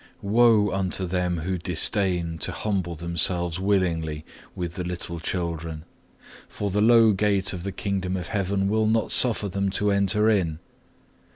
Woe unto them who disdain to humble themselves willingly with the little children; for the low gate of the kingdom of Heaven will not suffer them to enter in.